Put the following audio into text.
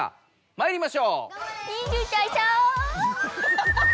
まいりましょう。